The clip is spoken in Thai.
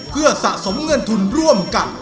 เพื่อสะสมเงินทุนร่วมกัน